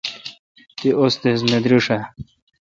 تی ؤستیذ نہ دریݭ آ؟